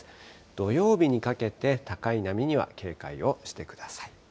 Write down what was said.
土曜日にかけて高い波には警戒をしてください。